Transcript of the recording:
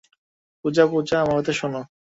পূজা, পূজা, আমার কথা শুনো।